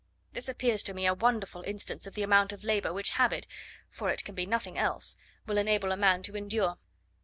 This appears to me a wonderful instance of the amount of labour which habit, for it can be nothing else, will enable a man to endure.